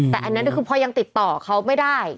แต่อันนั้นก็คือพอยังติดต่อเขาไม่ได้